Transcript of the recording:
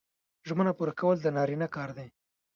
ژمنه پوره کول د نارینه کار دی